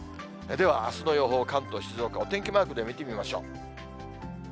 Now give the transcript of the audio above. ではあすの予報、関東、静岡、お天気マークで見てみましょう。